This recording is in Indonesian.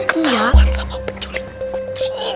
ketahuan sama penculik kucing